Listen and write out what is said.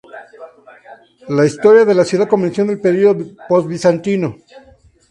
La historia de la ciudad comenzó en el período post-bizantino.